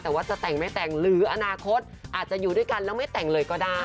แต่ว่าจะแต่งไม่แต่งหรืออนาคตอาจจะอยู่ด้วยกันแล้วไม่แต่งเลยก็ได้